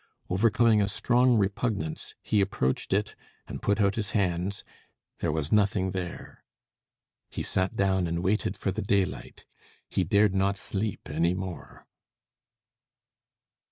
Overcoming a strong repugnance, he approached it, and put out his hands there was nothing there. He sat down and waited for the daylight: he dared not sleep any more.